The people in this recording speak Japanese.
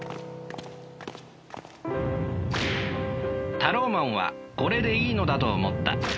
タローマンはこれでいいのだと思った。